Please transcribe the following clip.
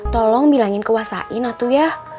tolong bilangin ke wasain atuh ya